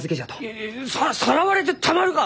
いやささらわれてたまるか！